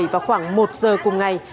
vào khoảng một giờ cùng ngày